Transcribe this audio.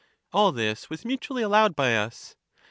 All this was mutually allowed by us.